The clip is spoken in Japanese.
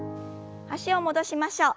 脚を戻しましょう。